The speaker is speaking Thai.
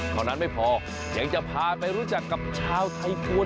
เท่านั้นไม่พอยังจะพาไปรู้จักกับชาวไทยควร